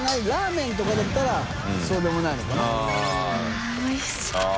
あぁおいしそう。